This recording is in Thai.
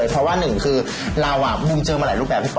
เพราะว่าหนึ่งคือเราบูมเจอมาหลายรูปแบบพี่ป